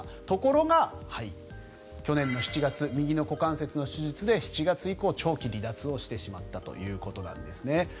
ところが、去年の７月右の股関節の手術で７月以降長期離脱をしてしまったということなんですね。